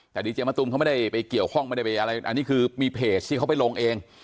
แต่ดีเจมะตูมเขาไม่ได้ไปเกี่ยวข้องไม่ได้ไปอะไรอันนี้คือมีเพจที่เขาไปลงเอง